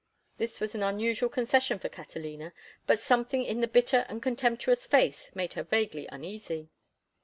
This was an unusual concession for Catalina, but something in the bitter and contemptuous face made her vaguely uneasy.